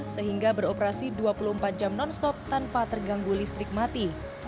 sehingga beroperasi dua puluh empat jam non stop tanpa terganggu listrik mati